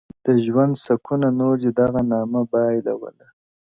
د ژوند سكونه نور دي دغـه نامــه بــايـلولـه ـ